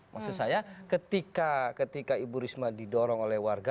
maksud saya ketika ibu risma didorong oleh warga